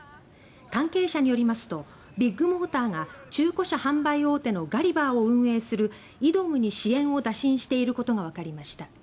関係者によりますとビッグモーターが中古車販売大手のガリバーを運営するＩＤＯＭに支援を打診していることがわかりました。